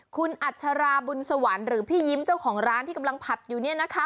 คุณอัชราบุญสวรรค์หรือพี่ยิ้มเจ้าของร้านที่กำลังผัดอยู่เนี่ยนะคะ